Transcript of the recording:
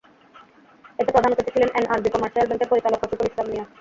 এতে প্রধান অতিথি ছিলেন এনআরবি কমার্শিয়াল ব্যাংকের পরিচালক রফিকুল ইসলাম মিয়া।